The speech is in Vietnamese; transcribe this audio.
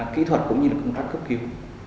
kỹ thuật cũng như là công tác cấp cứu